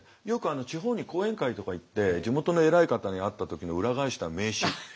よく地方に講演会とか行って地元の偉い方に会った時の裏返した名刺